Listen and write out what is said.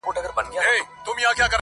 دا وړانګي له خلوته ستا یادونه تښتوي!!